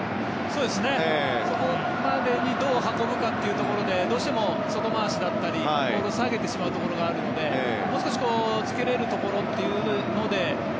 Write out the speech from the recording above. そこまでにどう運ぶかということでどうしても、外回しやボールを下げてしまうところがあるのでもう少しつけられるところというので。